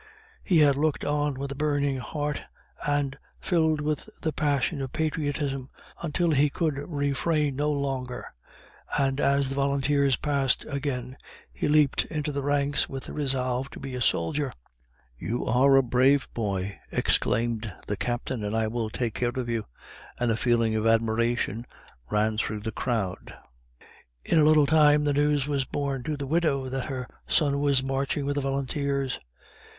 He had looked on with a burning heart, and filled with the passion of patriotism, until he could refrain no longer, and, as the volunteers passed again, he leaped into the ranks with the resolve to be a soldier. "You are a brave boy," exclaimed the Captain, "and I will take care of you;" and a feeling of admiration ran through the crowd. In a little time, the news was borne to the widow, that her son was marching with the volunteers.